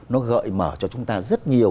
nó gợi mở cho chúng ta rất nhiều